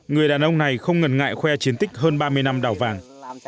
người đàn ông này không ngần ngại khoe chiến tích hơn ba mươi năm đào vàng